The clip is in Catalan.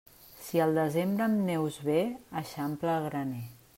Si el desembre amb neus ve, eixampla el graner.